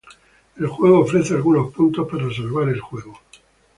El juego ofrece algunos puntos para salvar el juego.